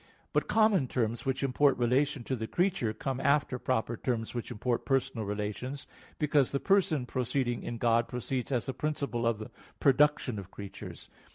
But common terms which import relation to the creature come after proper terms which import personal relations; because the person proceeding in God proceeds as the principle of the production of creatures.